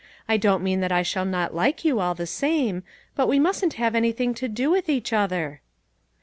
I don't mean that I shall not like you all the same ; but we mustn't have anything to do with each other."